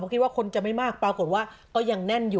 คิดว่าคนจะไม่มากปรากฏว่าก็ยังแน่นอยู่